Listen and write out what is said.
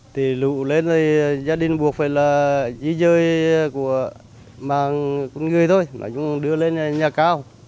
thì lũ lên thì gia đình buộc phải là dí dơi của mạng con người thôi nói chung đưa lên nhà cao